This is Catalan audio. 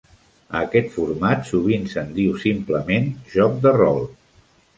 A aquest format sovint se'n diu simplement "joc de rol".